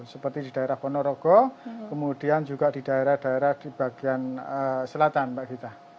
seperti di daerah ponorogo kemudian juga di daerah daerah di bagian selatan pak gita